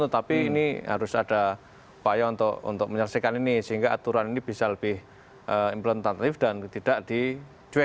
tetapi ini harus ada upaya untuk menyelesaikan ini sehingga aturan ini bisa lebih implementatif dan tidak dicuek